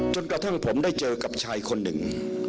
จนกระทั่งผมได้เจอกับชายคนหนึ่ง